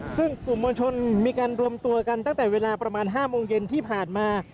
ซึ่งกลุ่มมวลชนมีการรวมตัวกันตั้งแต่เวลาประมาณ๕โมงเย็นที่ผ่านมา